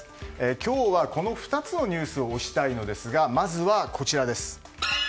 今日はこの２つのニュースを推したいのですがまずは、こちらです。